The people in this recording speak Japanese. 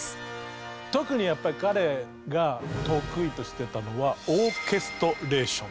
特にやっぱり彼が得意としてたのはオーケストレーション。